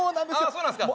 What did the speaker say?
そうなんですよ